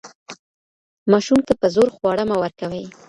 ماشوم ته په زور خواړه مه ورکوئ.